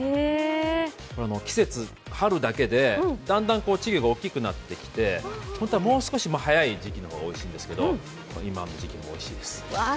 これは春だけでだんだん稚魚が大きくなってきて本当はもう少し早い時期がおいしいんですけど今の時期のもおいしいです。